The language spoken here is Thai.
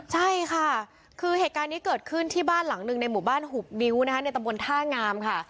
ใช่ค่ะคือเหตุการณ์นี้เกิดขึ้นที่บ้านหลังหนึ่งในหมู่บ้านหุบนิ้วนะคะในตำบลท่างามค่ะ